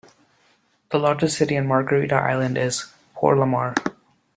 The largest city on Margarita Island is Porlamar.